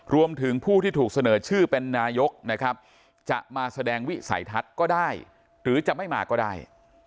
รวมถึงผู้ที่ถูกเสนอชื่อเป็นนายกนะครับจะมาแสดงวิสัยทัศน์ก็ได้หรือจะไม่มาก็ได้